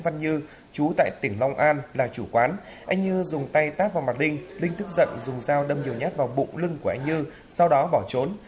anh như dùng tay tát vào mặt linh linh thức giận dùng dao đâm nhiều nhát vào bụng lưng của anh như sau đó bỏ trốn